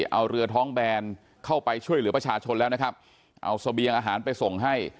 เอาเรือท้องแบนเข้าไปช่วยเหลือประชาชนแล้วนะครับเอาเสบียงอาหารไปส่งให้